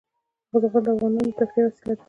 زغال د افغانانو د تفریح یوه وسیله ده.